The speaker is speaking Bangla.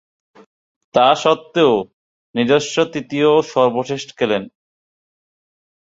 তাসত্ত্বেও, নিজস্ব তৃতীয় ও সর্বশেষ টেস্ট খেলেন।